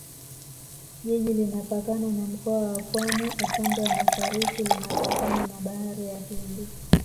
Jiji linapakana na Mkoa wa Pwani upande wa Mashariki linapakana na Bahari ya Hindi